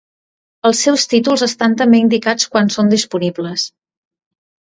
Els seus títols estan també indicats quan són disponibles.